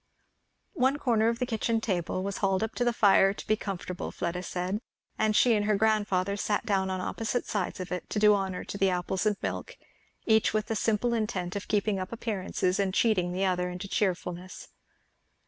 One corner of the kitchen table was hauled up to the fire, to be comfortable, Fleda said, and she and her grandfather sat down on the opposite sides of it to do honour to the apples and milk; each with the simple intent of keeping up appearances and cheating the other into cheerfulness.